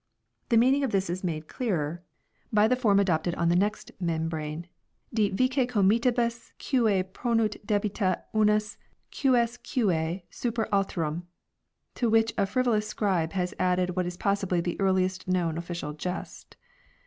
The meaning of this is made clearer by the form adopted 1 L.T.R., Misc. Rolls, 1/3. 18 FINANCIAL RECORDS on the next membrane "de vicecomitibus qui ponunt debita unus quisque super alterum," to which a frivo lous scribe has added what is possibly the earliest known official jest.